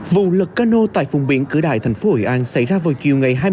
vụ lật cano tại vùng biển cửa đại thành phố hội an xảy ra vào chiều ngày hai mươi sáu